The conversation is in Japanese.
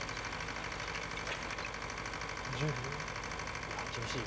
いや厳しい。